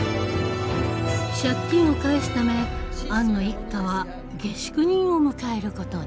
借金を返すためアンの一家は下宿人を迎えることに。